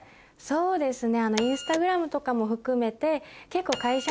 そうですね。